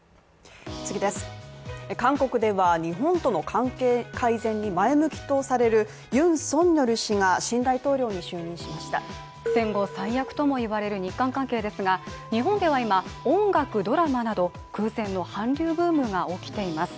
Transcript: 韓国では、日本との関係改善に前向きとされるユン・ソンニョル氏が新大統領に就任しました戦後最悪とも言われる日韓関係ですが日本では今、音楽、ドラマなど空前の韓流ブームが起きています。